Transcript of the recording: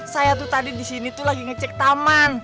saya tuh tadi di sini tuh lagi ngecek taman